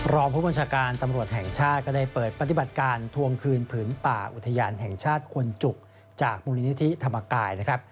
รองผู้บัญชาการตำรวจแห่งชาติก็ได้เปิดปฏิบัติการทวงคืนผืนป่าอุทยานแห่งชาติคนจุกจากมูลนิธิธรรมกายนะครับ